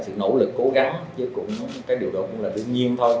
sự nỗ lực cố gắng chứ cũng cái điều đó cũng là đương nhiên thôi